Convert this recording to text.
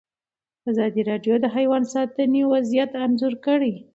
ازادي راډیو د حیوان ساتنه وضعیت انځور کړی.